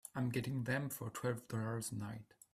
I'm getting them for twelve dollars a night.